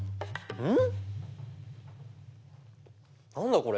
うん。